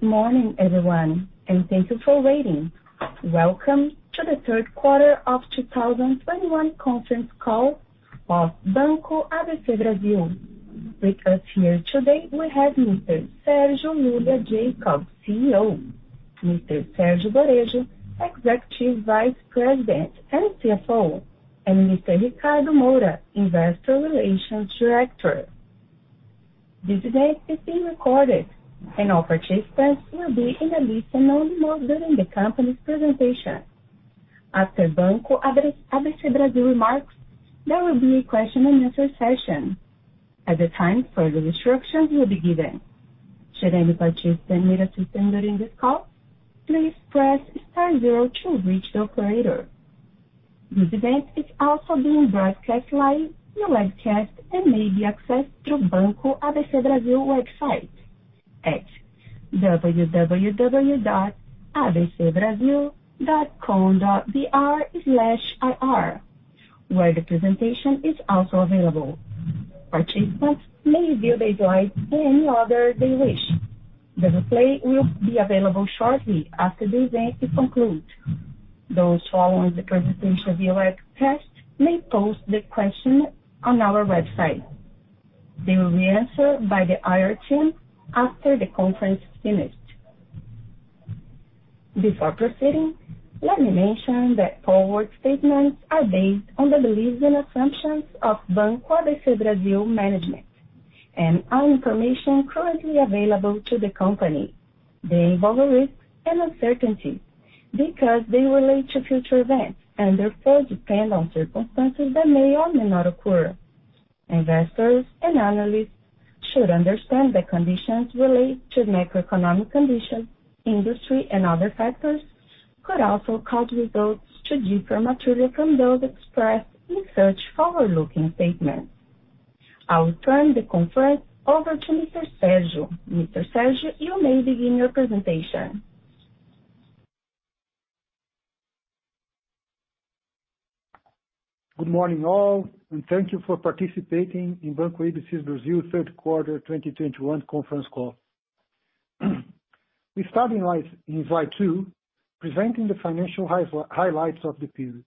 Good morning, everyone, and thank you for waiting. Welcome to the third quarter of 2021 conference call of Banco ABC Brasil. With us here today we have Mr. Sérgio Lulia Jacob, CEO, Mr. Sérgio Borejo, Executive Vice President and CFO, and Mr. Ricardo Moura, Investor Relations Director. This event is being recorded and all participants will be in a listen-only mode during the company's presentation. After Banco ABC Brasil remarks, there will be a question and answer session. At the time, further instructions will be given. Should any participant need assistance during this call, please press star zero to reach the operator. This event is also being broadcast live via webcast and may be accessed through Banco ABC Brasil website at www.abcbrasil.com.br/ir, where the presentation is also available. Participants may view the slide in any order they wish. The replay will be available shortly after the event is concluded. Those following the presentation via webcast may pose the question on our website. They will be answered by the IR team after the conference is finished. Before proceeding, let me mention that forward-looking statements are based on the beliefs and assumptions of Banco ABC Brasil management and all information currently available to the company. They involve risks and uncertainties because they relate to future events and therefore depend on circumstances that may or may not occur. Investors and analysts should understand that conditions related to macroeconomic conditions, the industry and other factors could also cause results to differ materially from those expressed in such forward-looking statements. I will turn the conference over to Mr. Sérgio. Mr. Sérgio, you may begin your presentation. Good morning, all, and thank you for participating in Banco ABC Brasil third quarter 2021 conference call. We start in slide two, presenting the financial highlights of the period.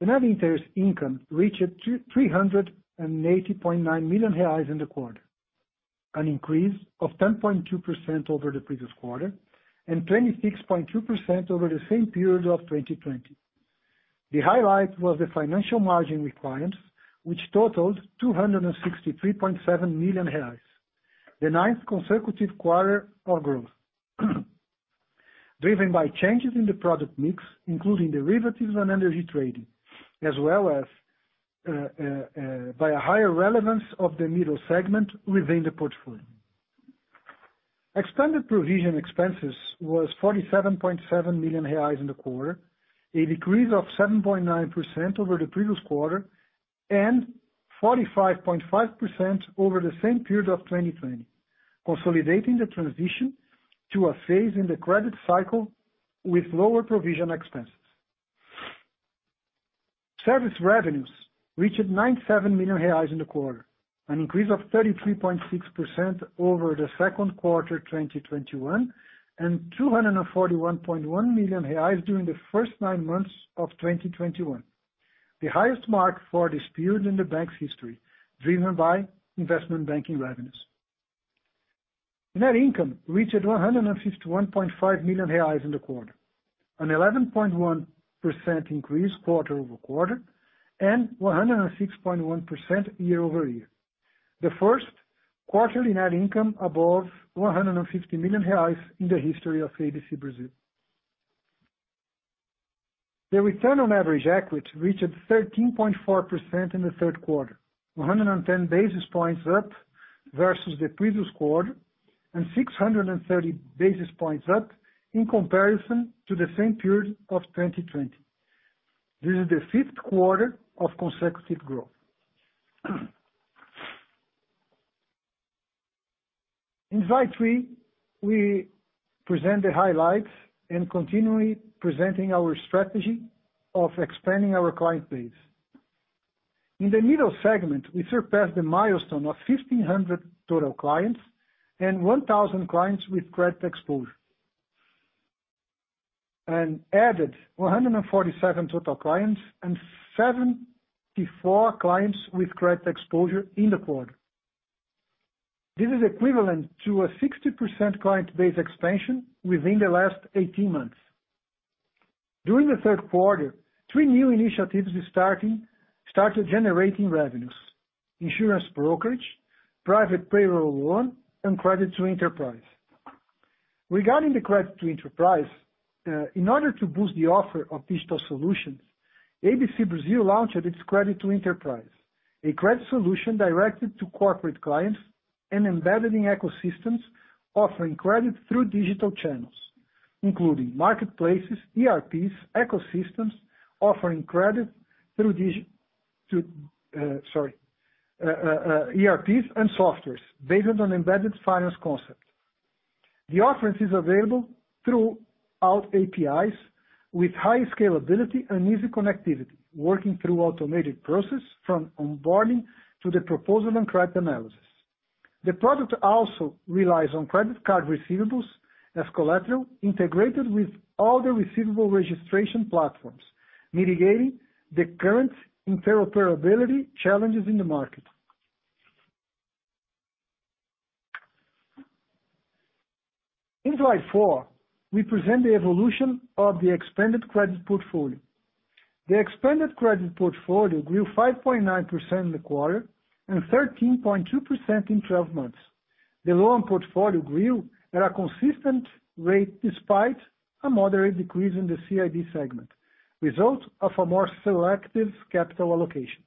The net interest income reached 380.9 million reais in the quarter, an increase of 10.2% over the previous quarter and 26.2% over the same period of 2020. The highlight was the financial margin with clients, which totaled 263.7 million reais, the ninth consecutive quarter of growth, driven by changes in the product mix, including derivatives and energy trading, as well as by a higher relevance of the middle segment within the portfolio. Expanded provision expenses was 47.7 million reais in the quarter, a decrease of 7.9% over the previous quarter and 45.5% over the same period of 2020, consolidating the transition to a phase in the credit cycle with lower provision expenses. Service revenues reached 97 million reais in the quarter, an increase of 33.6% over the second quarter, 2021, and 241.1 million reais during the first nine months of 2021, the highest mark for this period in the bank's history, driven by investment banking revenues. Net income reached 151.5 million reais in the quarter, an 11.1% increase quarter-over-quarter and 106.1% year-over-year. The first quarterly net income above 150 million reais in the history of ABC Brasil. The return on average equity reached 13.4% in the third quarter, 110 basis points up versus the previous quarter and 630 basis points up in comparison to the same period of 2020. This is the 5th quarter of consecutive growth. In slide three, we present the highlights and continually presenting our strategy of expanding our client base. In the middle segment, we surpassed the milestone of 1,500 total clients and 1,000 clients with credit exposure, and added 147 total clients and 74 clients with credit exposure in the quarter. This is equivalent to a 60% client base expansion within the last 18 months. During the third quarter, three new initiatives started generating revenues: insurance brokerage, private payroll loan, and Credit to Enterprise. Regarding the Credit to Enterprise, in order to boost the offer of digital solutions, ABC Brasil launched its Credit to Enterprise, a credit solution directed to corporate clients and embedded in ecosystems offering credit through digital channels, including marketplaces, ERPs, ecosystems offering credit through ERPs and softwares based on embedded finance concept. The offerings is available through our APIs with high scalability and easy connectivity, working through automated process from onboarding to the proposal and credit analysis. The product also relies on credit card receivables as collateral integrated with all the receivable registration platforms, mitigating the current interoperability challenges in the market. In slide four, we present the evolution of the expanded credit portfolio. The expanded credit portfolio grew 5.9% in the quarter and 13.2% in 12 months. The loan portfolio grew at a consistent rate despite a moderate decrease in the CIB segment, result of a more selective capital allocation.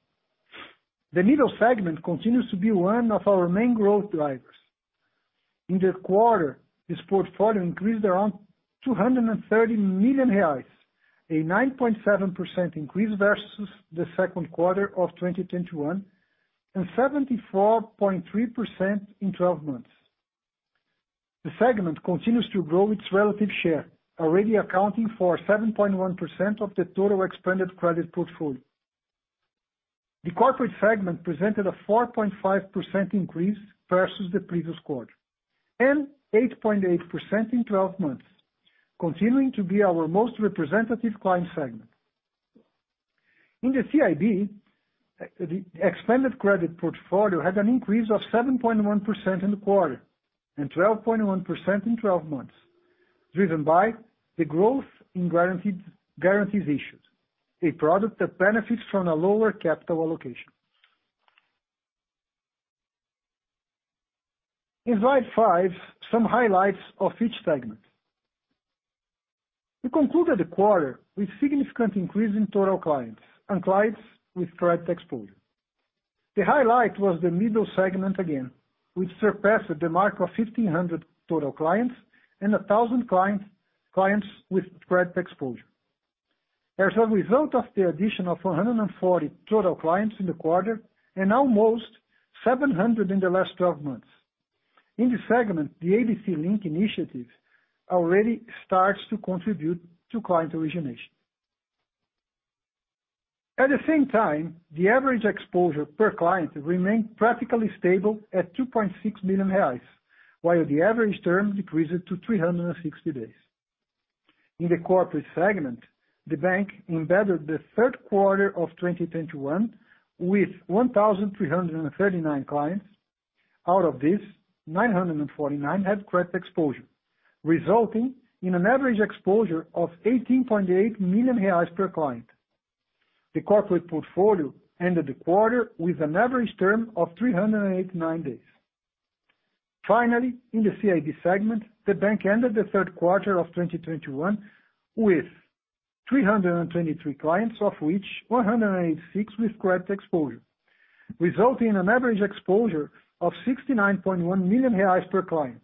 The Middle segment continues to be one of our main growth drivers. In the quarter, this portfolio increased around 230 million reais, a 9.7% increase versus the second quarter of 2021, and 74.3% in 12 months. The segment continues to grow its relative share, already accounting for 7.1% of the total expanded credit portfolio. The Corporate segment presented a 4.5% increase versus the previous quarter, and 8.8% in 12 months, continuing to be our most representative client segment. In the CIB, the expanded credit portfolio had an increase of 7.1% in the quarter and 12.1% in twelve months, driven by the growth in guarantees issued, a product that benefits from a lower capital allocation. In slide five, some highlights of each segment. We concluded the quarter with significant increase in total clients and clients with credit exposure. The highlight was the middle segment again, which surpassed the mark of 1,500 total clients and 1,000 clients with credit exposure. As a result of the addition of 440 total clients in the quarter and almost 700 in the last twelve months. In this segment, the ABC Link initiative already starts to contribute to client origination. At the same time, the average exposure per client remained practically stable at 2.6 million reais, while the average term decreased to 360 days. In the corporate segment, the bank ended the third quarter of 2021 with 1,339 clients. Out of these, 949 had credit exposure, resulting in an average exposure of 18.8 million reais per client. The corporate portfolio ended the quarter with an average term of 389 days. Finally, in the CIB segment, the bank ended the third quarter of 2021 with 323 clients, of which 186 had credit exposure, resulting in an average exposure of 69.1 million reais per client.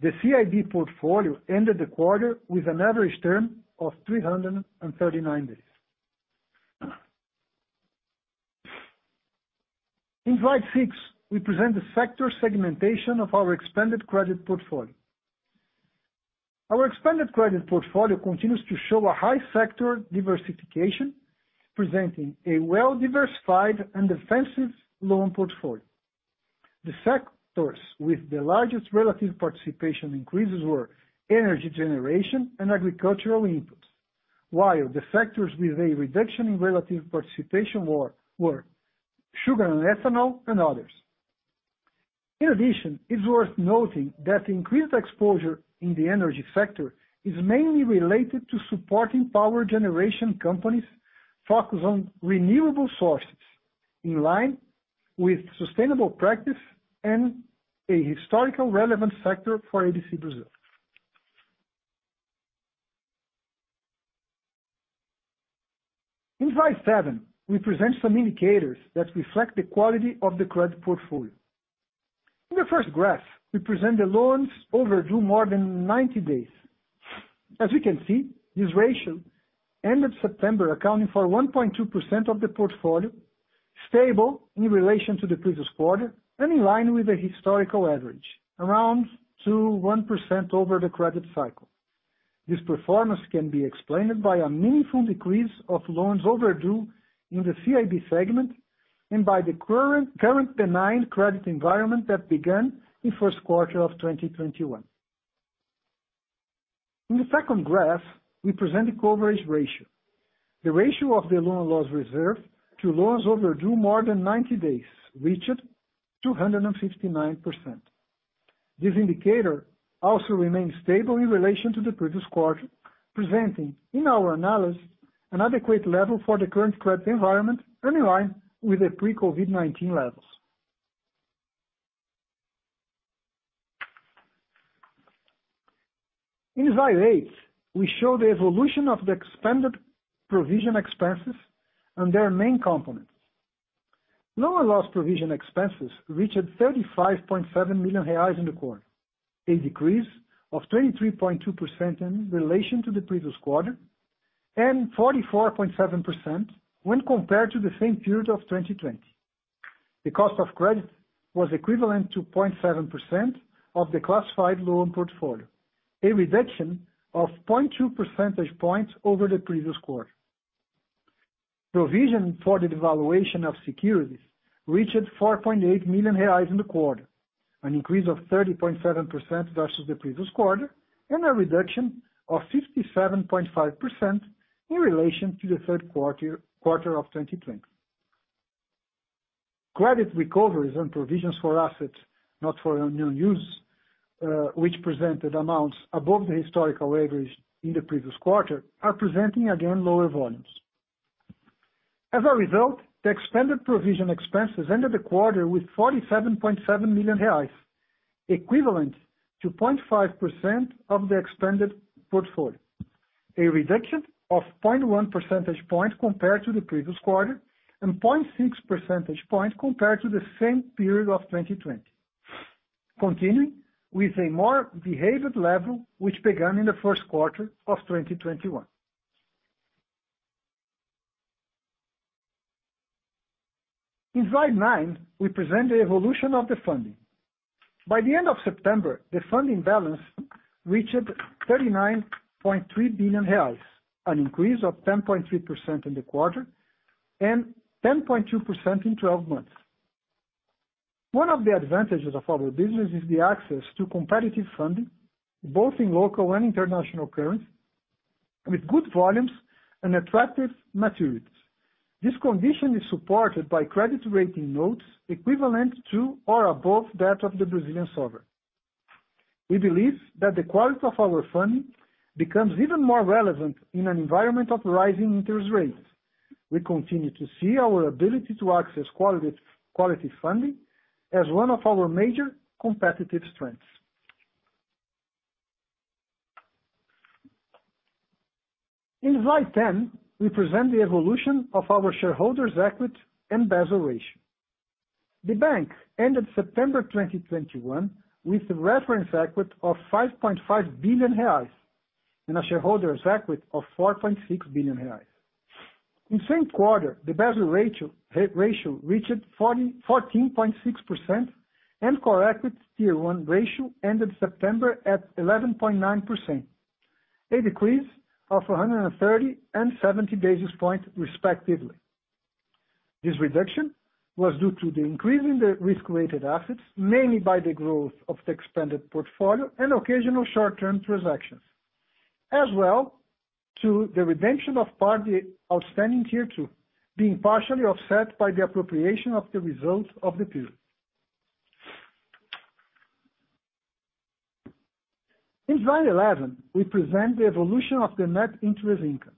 The CIB portfolio ended the quarter with an average term of 339 days. In slide six, we present the sector segmentation of our expanded credit portfolio. Our expanded credit portfolio continues to show a high sector diversification, presenting a well-diversified and defensive loan portfolio. The sectors with the largest relative participation increases were energy generation and agricultural inputs, while the sectors with a reduction in relative participation were sugar and ethanol and others. In addition, it's worth noting that the increased exposure in the energy sector is mainly related to supporting power generation companies focused on renewable sources, in line with sustainable practice and a historical relevant sector for ABC Brasil. In slide seven, we present some indicators that reflect the quality of the credit portfolio. In the first graph, we present the loans overdue more than 90 days. As you can see, this ratio ended September accounting for 1.2% of the portfolio, stable in relation to the previous quarter and in line with the historical average, around 1% over the credit cycle. This performance can be explained by a meaningful decrease of loans overdue in the CIB segment and by the current benign credit environment that began in first quarter of 2021. In the second graph, we present the coverage ratio. The ratio of the loan loss reserve to loans overdue more than 90 days reached 269%. This indicator also remains stable in relation to the previous quarter, presenting, in our analysis, an adequate level for the current credit environment and in line with the pre-COVID-19 levels. In slide eight, we show the evolution of the expanded provision expenses and their main components. Loan-loss provision expenses reached 35.7 million reais in the quarter, a decrease of 23.2% in relation to the previous quarter, and 44.7% when compared to the same period of 2020. The cost of credit was equivalent to 0.7% of the classified loan portfolio, a reduction of 0.2 percentage points over the previous quarter. Provision for the devaluation of securities reached 4.8 million reais in the quarter, an increase of 30.7% versus the previous quarter, and a reduction of 57.5% in relation to the third quarter of 2020. Credit recoveries and provisions for assets, not for new use, which presented amounts above the historical average in the previous quarter, are presenting again lower volumes. As a result, the expanded provision expenses ended the quarter with 47.7 million reais, equivalent to 0.5% of the expanded portfolio. A reduction of 0.1 percentage point compared to the previous quarter, and 0.6 percentage point compared to the same period of 2020. Continuing with a more behaved level, which began in the first quarter of 2021. In slide 9, we present the evolution of the funding. By the end of September, the funding balance reached 39.3 billion reais, an increase of 10.3% in the quarter and 10.2% in 12 months. One of the advantages of our business is the access to competitive funding, both in local and international currency, with good volumes and attractive maturities. This condition is supported by credit rating notes equivalent to or above that of the Brazilian sovereign. We believe that the quality of our funding becomes even more relevant in an environment of rising interest rates. We continue to see our ability to access quality funding as one of our major competitive strengths. In slide 10, we present the evolution of our shareholders equity and Basel ratio. The bank ended September 2021 with the reference equity of 5.5 billion reais and a shareholders equity of 4.6 billion reais. In the same quarter, the Basel ratio reached 14.6% and corrected Tier 1 ratio ended September at 11.9%, a decrease of 130 and 70 basis points respectively. This reduction was due to the increase in the risk-weighted assets, mainly by the growth of the expanded portfolio and occasional short-term transactions. As well, to the redemption of part of the outstanding Tier 2, being partially offset by the appropriation of the results of the period. In slide 11, we present the evolution of the net interest income.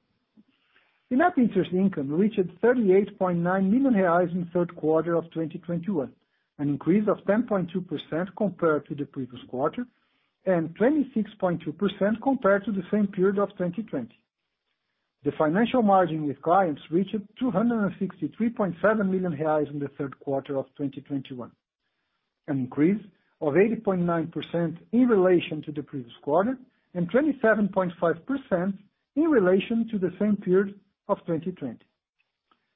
The net interest income reached 38.9 million reais in the third quarter of 2021, an increase of 10.2% compared to the previous quarter, and 26.2% compared to the same period of 2020. The financial margin with clients reached 263.7 million reais in the third quarter of 2021, an increase of 80.9% in relation to the previous quarter and 27.5% in relation to the same period of 2020.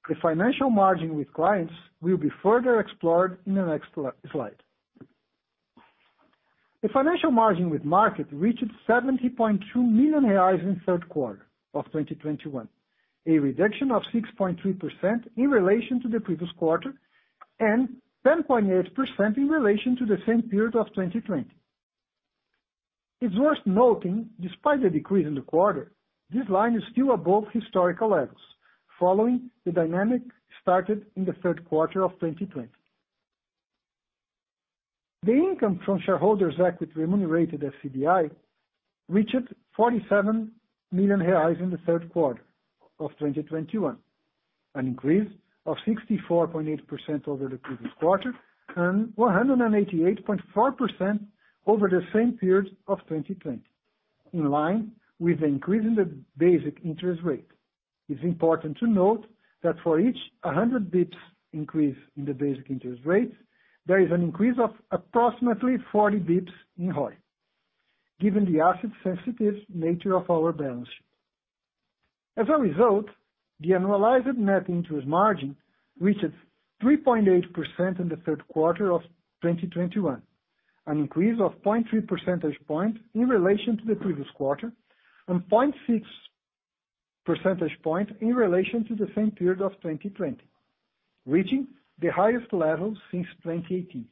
The financial margin with clients will be further explored in the next slide. The financial margin with market reached 70.2 million reais in the third quarter of 2021, a reduction of 6.3% in relation to the previous quarter and 10.8% in relation to the same period of 2020. It's worth noting, despite the decrease in the quarter, this line is still above historical levels, following the dynamic started in the third quarter of 2020. The income from shareholders equity remunerated as CDI reached 47 million reais in the third quarter of 2021, an increase of 64.8% over the previous quarter and 188.4% over the same period of 2020, in line with the increase in the basic interest rate. It's important to note that for each 100 basis points increase in the basic interest rate, there is an increase of approximately 40 basis points in ROE, given the asset sensitive nature of our balance sheet. As a result, the annualized net interest margin reached 3.8% in the third quarter of 2021, an increase of 0.3 percentage point in relation to the previous quarter and 0.6 percentage point in relation to the same period of 2020, reaching the highest levels since 2018.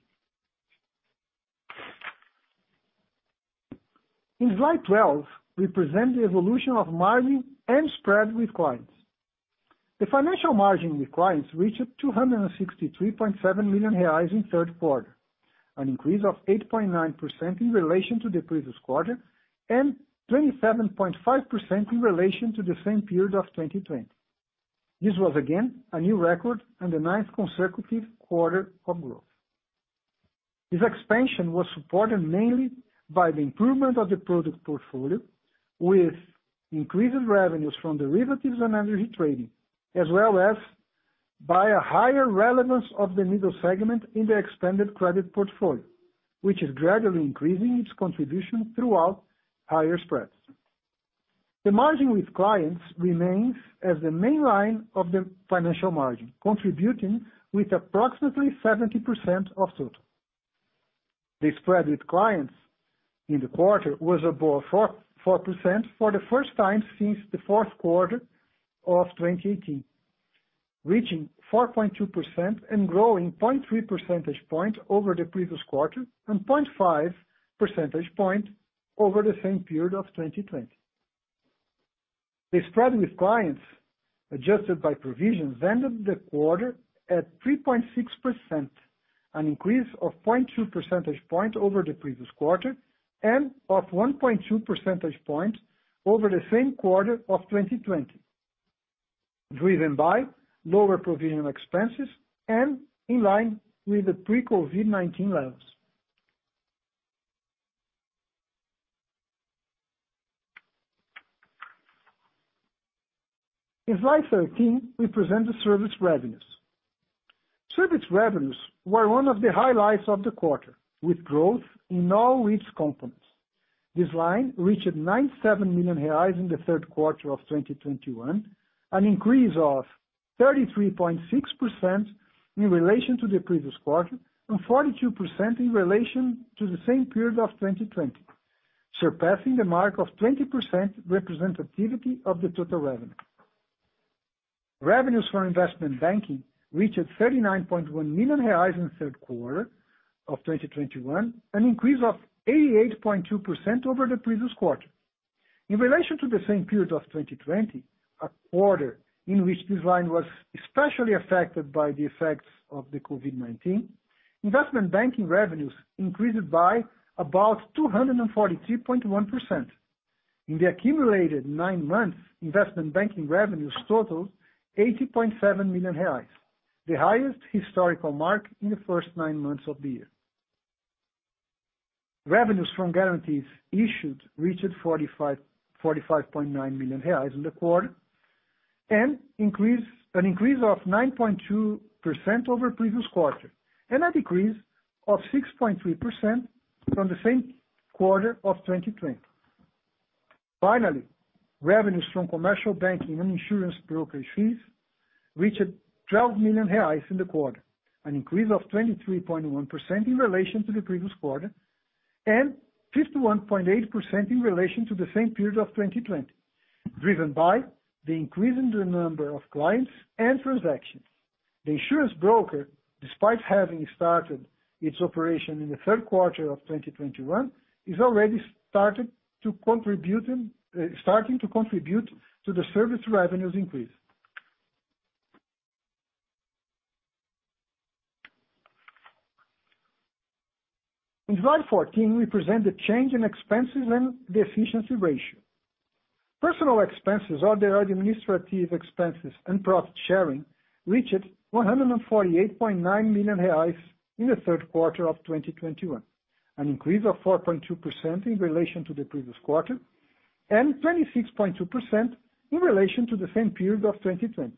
In slide 12, we present the evolution of margin and spread with clients. The financial margin with clients reached 263.7 million reais in third quarter, an increase of 8.9% in relation to the previous quarter and 27.5% in relation to the same period of 2020. This was again a new record and the nineth consecutive quarter of growth. This expansion was supported mainly by the improvement of the product portfolio with increased revenues from derivatives and energy trading, as well as by a higher relevance of the middle segment in the expanded credit portfolio, which is gradually increasing its contribution throughout higher spreads. The margin with clients remains as the main line of the financial margin, contributing with approximately 70% of total. The spread with clients in the quarter was above 4.4% for the first time since the fourth quarter of 2018, reaching 4.2% and growing 0.3 percentage point over the previous quarter and 0.5 percentage point over the same period of 2020. The spread with clients adjusted by provisions ended the quarter at 3.6%, an increase of 0.2 percentage point over the previous quarter and of 1.2 percentage point over the same quarter of 2020, driven by lower provision expenses and in line with the pre-COVID-19 levels. In slide 13, we present the service revenues. Service revenues were one of the highlights of the quarter, with growth in all its components. This line reached 97 million reais in the third quarter of 2021, an increase of 33.6% in relation to the previous quarter and 42% in relation to the same period of 2020, surpassing the mark of 20% representativity of the total revenue. Revenues for investment banking reached 39.1 million reais in third quarter of 2021, an increase of 88.2% over the previous quarter. In relation to the same period of 2020, a quarter in which this line was especially affected by the effects of the COVID-19, investment banking revenues increased by about 243.1%. In the accumulated nine months, investment banking revenues totaled 80.7 million reais, the highest historical mark in the first nine months of the year. Revenues from guarantees issued reached 45.9 million reais in the quarter, an increase of 9.2% over previous quarter, and a decrease of 6.3% from the same quarter of 2020. Finally, revenues from commercial banking and insurance brokerage fees reached 12 million reais in the quarter, an increase of 23.1% in relation to the previous quarter, and 51.8% in relation to the same period of 2020, driven by the increase in the number of clients and transactions. The insurance brokerage, despite having started its operation in the third quarter of 2021, is already starting to contribute to the service revenues increase. In Slide 14, we present the change in expenses and the efficiency ratio. Personnel expenses or the administrative expenses and profit sharing reached 148.9 million reais in the third quarter of 2021, an increase of 4.2% in relation to the previous quarter, and 26.2% in relation to the same period of 2020.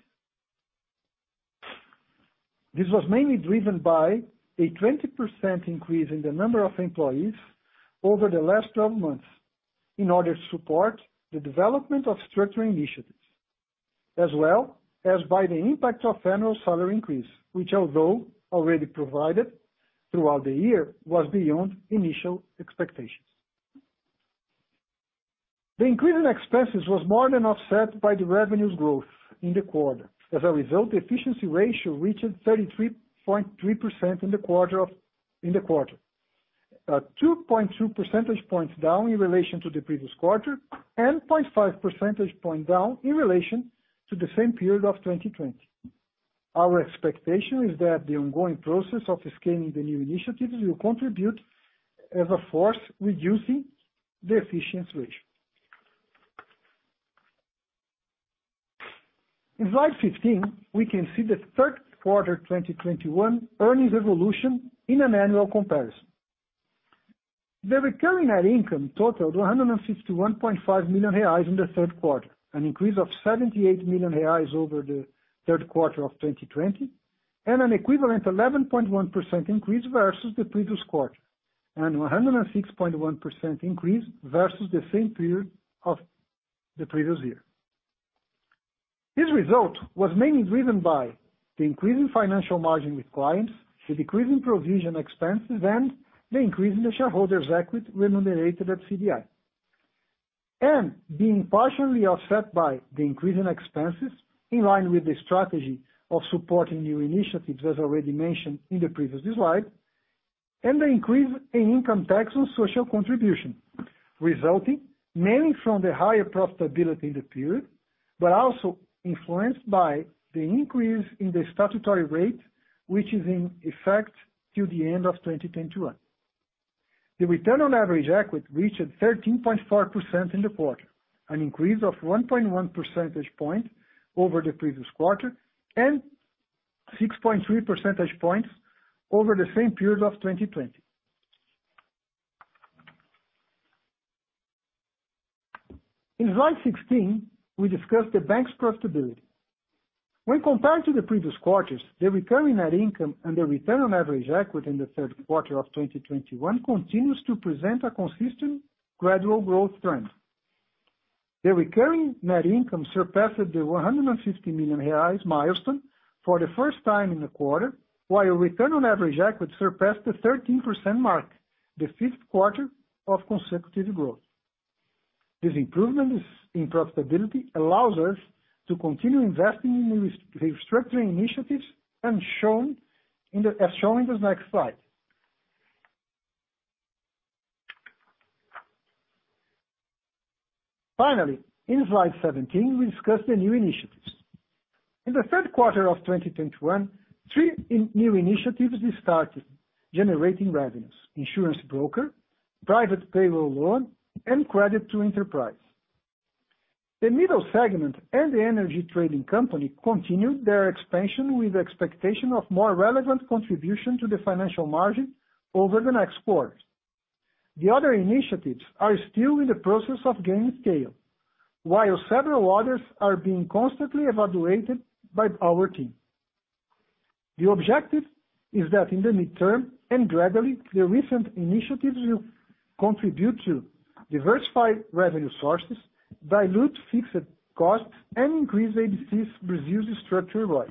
This was mainly driven by a 20% increase in the number of employees over the last 12 months in order to support the development of structuring initiatives, as well as by the impact of annual salary increase, which although already provided throughout the year, was beyond initial expectations. The increase in expenses was more than offset by the revenue growth in the quarter. As a result, the efficiency ratio reached 33.3% in the quarter, 2.2 percentage points down in relation to the previous quarter, and 0.5 percentage point down in relation to the same period of 2020. Our expectation is that the ongoing process of scaling the new initiatives will contribute as a force reducing the efficiency ratio. In slide 15, we can see the third quarter 2021 earnings evolution in an annual comparison. The recurring net income totaled 161.5 million reais in the third quarter, an increase of 78 million reais over the third quarter of 2020, and an equivalent 11.1% increase versus the previous quarter, and 106.1% increase versus the same period of the previous year. This result was mainly driven by the increase in financial margin with clients, the decrease in provision expenses, and the increase in the shareholders' equity remunerated at CDI. Being partially offset by the increase in expenses in line with the strategy of supporting new initiatives, as already mentioned in the previous slide, and the increase in income tax on social contribution, resulting mainly from the higher profitability in the period, but also influenced by the increase in the statutory rate, which is in effect till the end of 2021. The return on average equity reached 13.4% in the quarter, an increase of 1.1 percentage points over the previous quarter and 6.3 percentage points over the same period of 2020. In slide 16, we discuss the bank's profitability. When compared to the previous quarters, the recurring net income and the return on average equity in the third quarter of 2021 continues to present a consistent gradual growth trend. The recurring net income surpasses the 150 million reais milestone for the first time in a quarter, while return on average equity surpassed the 13% mark, the fifth quarter of consecutive growth. These improvements in profitability allows us to continue investing in restructuring initiatives as shown in this next slide. Finally, in slide 17, we discuss the new initiatives. In the third quarter of 2021, three new initiatives started generating revenues: insurance brokerage, private payroll loan, and Credit to Enterprise. The middle segment and the energy trading company continued their expansion with expectation of more relevant contribution to the financial margin over the next quarters. The other initiatives are still in the process of gaining scale, while several others are being constantly evaluated by our team. The objective is that in the medium term and gradually, the recent initiatives will contribute to diversify revenue sources, dilute fixed costs, and increase ABC Brasil's structural growth.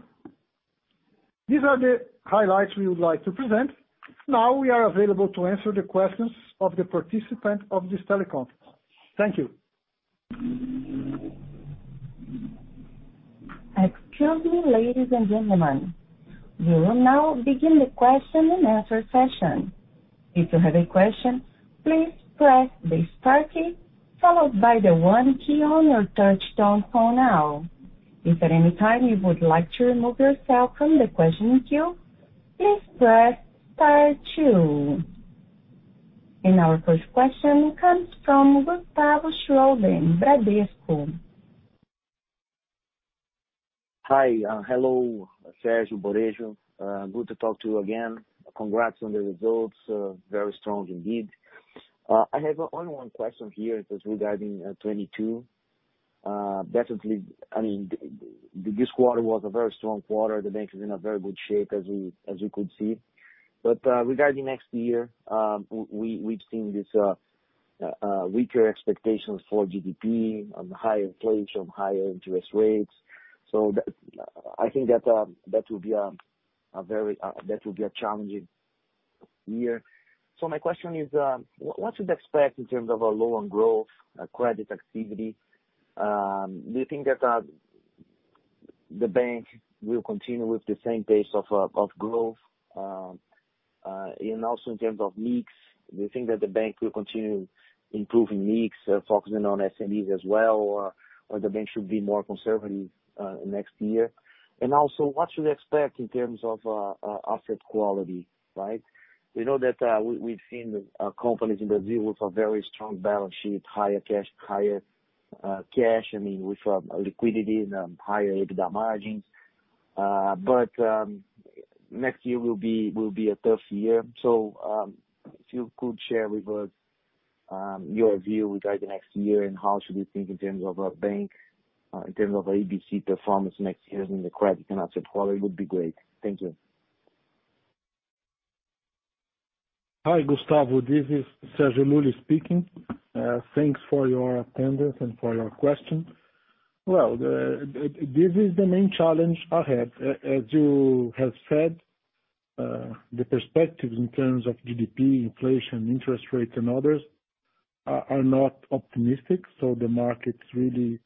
These are the highlights we would like to present. Now we are available to answer the questions of the participants of this teleconference. Thank you. Excuse me, ladies and gentlemen, we will now begin the question and answer session. If you have a question, please press the star key followed by the one key on your touchtone phone now. If at any time you would like to remove yourself from the question queue, please press star two. Our first question comes from Gustavo Schroden, Bradesco. Hi. Hello, Sérgio Borejo. Good to talk to you again. Congrats on the results. Very strong indeed. I have only one question here that's regarding 2022. Definitely, I mean, this quarter was a very strong quarter. The bank is in a very good shape as we could see. Regarding next year, we’ve seen this weaker expectations for GDP and higher inflation, higher interest rates. That will be a very challenging year. My question is, what should we expect in terms of loan growth, credit activity? Do you think that the bank will continue with the same pace of growth? In terms of mix, do you think that the bank will continue improving mix, focusing on SMEs as well, or the bank should be more conservative next year? What should we expect in terms of asset quality, right? We know that we've seen companies in Brazil with a very strong balance sheet, higher cash, I mean, with liquidity and higher EBITDA margins. Next year will be a tough year. If you could share with us your view regarding next year and how should we think in terms of our bank in terms of ABC performance next year and the credit and asset quality would be great. Thank you. Hi, Gustavo. This is Sérgio Lulia Jacob speaking. Thanks for your attendance and for your question. Well, this is the main challenge ahead. As you have said, the perspectives in terms of GDP, inflation, interest rates, and others are not optimistic, so the market's really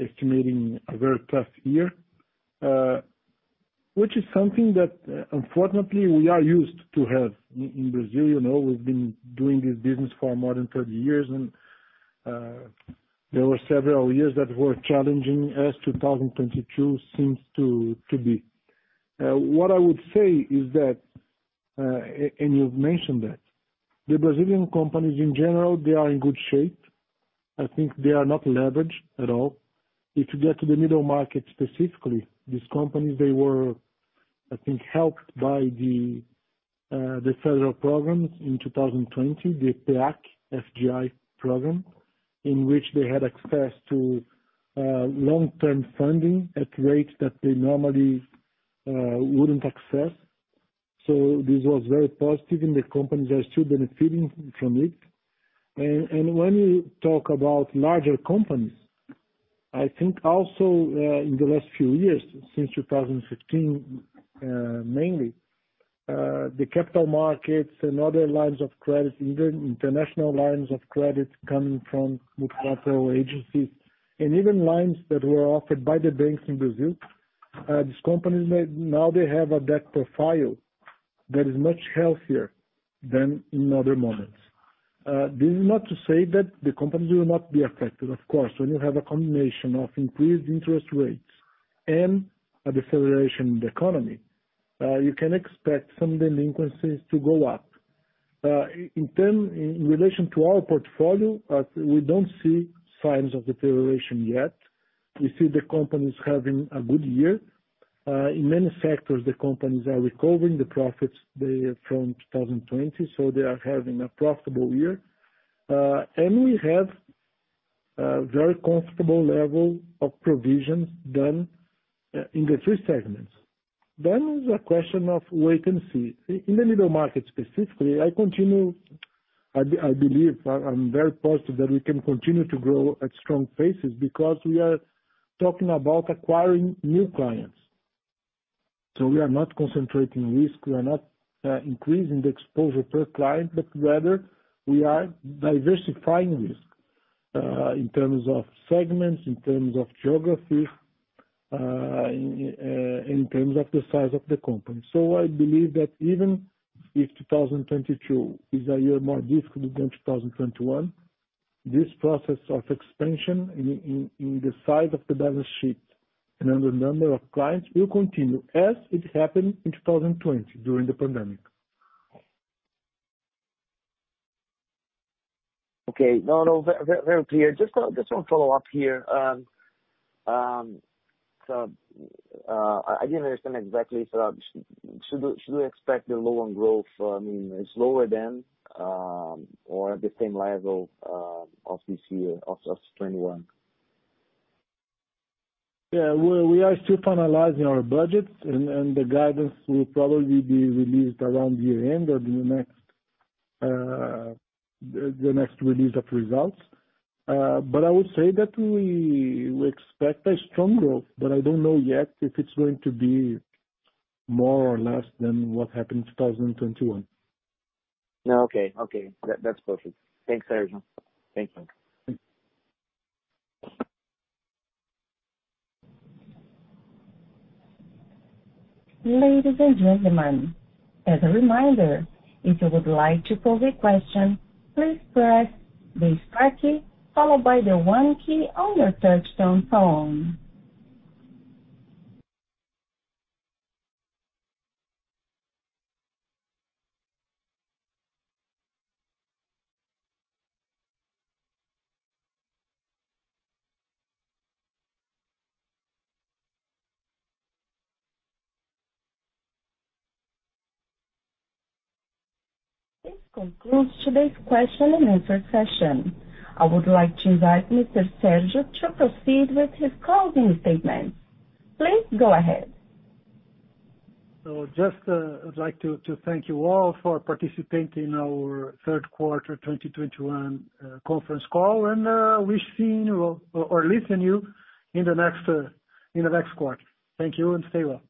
estimating a very tough year, which is something that, unfortunately we are used to have in Brazil, you know, we've been doing this business for more than 30 years and there were several years that were challenging, as 2022 seems to be. What I would say is that, and you've mentioned that, the Brazilian companies in general, they are in good shape. I think they are not leveraged at all. If you get to the middle market specifically, these companies, they were, I think, helped by the federal programs in 2020, the PEAC, FGI program, in which they had access to long-term funding at rates that they normally wouldn't access. This was very positive, and the companies are still benefiting from it. When you talk about larger companies, I think also in the last few years, since 2015, mainly the capital markets and other lines of credits, even international lines of credits coming from multilateral agencies, and even lines that were offered by the banks in Brazil, these companies now have a debt profile that is much healthier than in other moments. This is not to say that the company will not be affected. Of course, when you have a combination of increased interest rates and a deceleration in the economy, you can expect some delinquencies to go up. In terms, in relation to our portfolio, we don't see signs of deterioration yet. We see the companies having a good year. In many sectors, the companies are recovering the profits they lost in 2020, so they are having a profitable year. We have a very comfortable level of provisions done in the three segments. The question of wait-and-see. In the middle market specifically, I believe I'm very positive that we can continue to grow at strong paces because we are talking about acquiring new clients. We are not concentrating risk, we are not increasing the exposure per client, but rather we are diversifying risk in terms of segments, in terms of geography, in terms of the size of the company. I believe that even if 2022 is a year more difficult than 2021, this process of expansion in the size of the balance sheet and in the number of clients will continue as it happened in 2020 during the pandemic. Okay. No, no, very clear. Just one follow-up here. I didn't understand exactly. Should we expect the loan growth, I mean, slower than or at the same level of this year, 2021? Yeah. We are still finalizing our budget and the guidance will probably be released around year-end or in the next release of results. I would say that we expect a strong growth, but I don't know yet if it's going to be more or less than what happened in 2021. No. Okay. That, that's perfect. Thanks, Sérgio. Thank you. Ladies and gentlemen, as a reminder, if you would like to pose a question, please press the star key followed by the one key on your touchtone phone. This concludes today's question and answer session. I would like to invite Mr. Sérgio to proceed with his closing statement. Please go ahead. I'd like to thank you all for participating in our third quarter 2021 conference call, and we'll see you or listen to you in the next quarter. Thank you and stay well.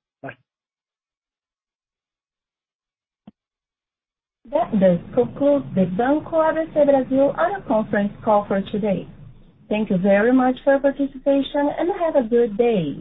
Bye. That does conclude the Banco ABC Brasil annual conference call for today. Thank you very much for your participation, and have a good day.